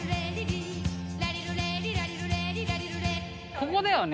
ここだよね。